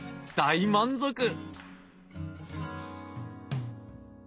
大満足！